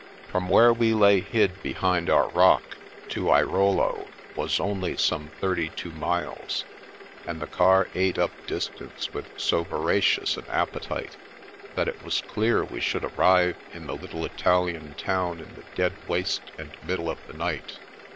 From where we lay hid behind our rock to Airolo was only some thirty two miles, and the car ate up distance with so voracious an appetite, that it was clear we should arrive in the little Italian town in the dead waste and middle of the night.